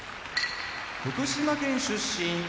福島県出身